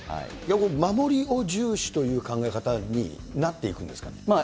この守りを重視という考え方になっていくんですか？